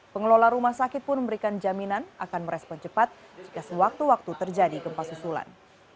pengelola rumah sakit pun memberikan jaminan akan merespon cepat jika sewaktu waktu terjadi gempa susulan